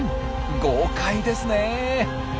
豪快ですね！